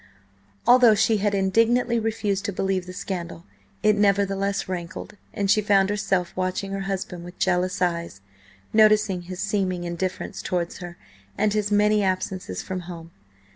Although she had indignantly refused to believe the scandal, it nevertheless rankled, and she found herself watching her husband with jealous eyes, noticing his seeming indifference towards her and his many absences from home.